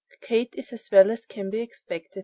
Kate is as well as can be expected.